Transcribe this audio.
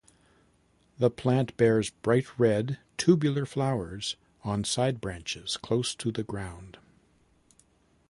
The plant bears bright red, tubular flowers on side branches close to the ground.